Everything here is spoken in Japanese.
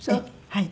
はい。